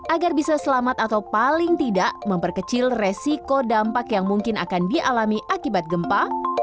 agar bisa selamat atau paling tidak memperkecil resiko dampak yang mungkin akan dialami akibat gempa